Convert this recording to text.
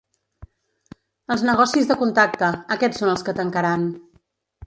Els negocis de contacte, aquests són els que tancaran.